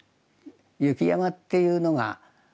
雪山っていうのが。